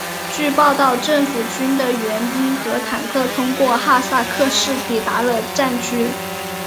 据报道政府军的援兵和坦克通过哈塞克市抵达了战区。